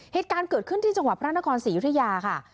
เหตุการณ์เกิดขึ้นที่จังหวัดพระนครศรียุธยาค่ะ